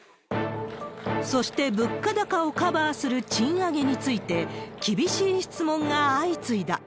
そして、物価高をカバーする賃上げについて、厳しい質問が相次いだ。